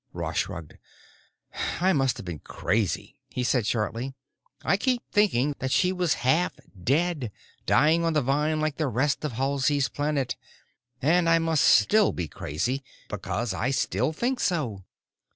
Ross shrugged. "I must have been crazy," he said shortly. "I kept thinking that she was half dead, dying on the vine like the rest of Halsey's Planet. And I must still be crazy, because I still think so."